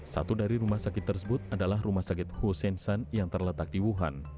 satu dari rumah sakit tersebut adalah rumah sakit husseinson yang terletak di wuhan